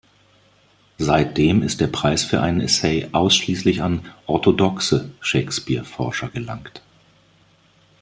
Seitdem ist der Preis für einen Essay ausschließlich an „orthodoxe“ Shakespeare-Forscher gelangt.